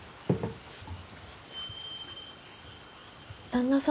旦那様